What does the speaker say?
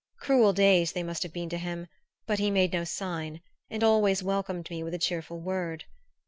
Cruel days they must have been to him, but he made no sign, and always welcomed me with a cheerful word.